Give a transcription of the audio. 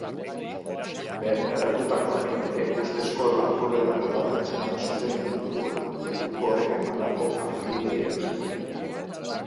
Bertaratutako agenteek ustezko lapurretako bat atzeman zuten inguruan, lekukoek emandako argibideei esker.